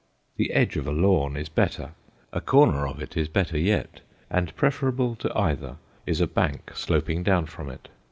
The edge of a lawn is better, a corner of it is better yet, and preferable to either is a bank sloping down from it.